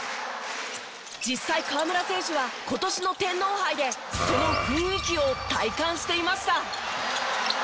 実際河村選手は今年の天皇杯でその雰囲気を体感していました。